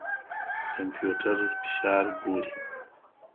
کمپيوټر فشار ګوري.